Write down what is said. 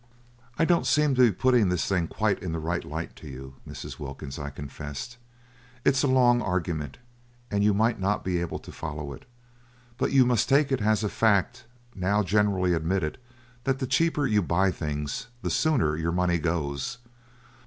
"I don't seem to be putting this thing quite in the right light to you, Mrs. Wilkins," I confessed. "It is a long argument, and you might not be able to follow it; but you must take it as a fact now generally admitted that the cheaper you buy things the sooner your money goes.